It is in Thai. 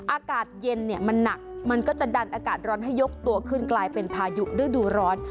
อากาศเย็นเนี่ยมันหนักมันก็จะดันอากาศร้อนให้ยกตัวขึ้นกลายเป็นพายุฤดูร้อน